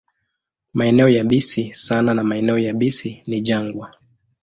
Maeneo yabisi sana na maeneo yabisi ni jangwa.